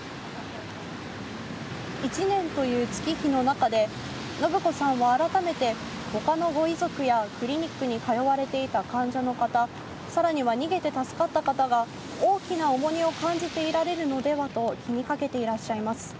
１年という月日の中で、伸子さんは改めて、ほかのご遺族やクリニックに通われていた患者の方、さらには逃げて助かった方が、大きな重荷を感じていられるのではと気にかけていらっしゃいます。